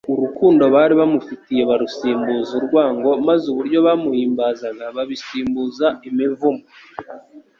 urukundo bari bamufitiye barusimbuza urwango maze uburyo bamuhimbazaga babisimbuza imivumo.